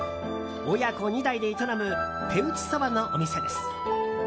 親子２代で営む手打ちそばのお店です。